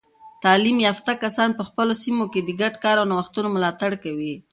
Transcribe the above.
تعلیم یافته کسان په خپلو سیمو کې د ګډ کار او نوښتونو ملاتړ کوي.